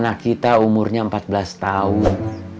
anak kita umurnya empat belas tahun